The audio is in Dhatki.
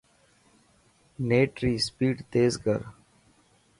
نيٽ ري اسپيڊ تيز ڪر.